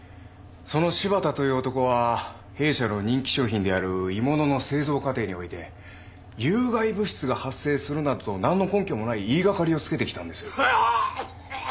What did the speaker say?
その柴田という男は弊社の人気商品である鋳物の製造過程において有害物質が発生するなどとなんの根拠もない言いがかりをつけてきたんです。